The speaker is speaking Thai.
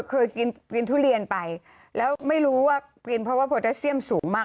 เคยกินทุเรียนไปแล้วไม่รู้ว่ากินเพราะว่าโปรตาเซียมสูงมาก